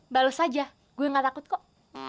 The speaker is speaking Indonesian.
balas aja gua gak takut kok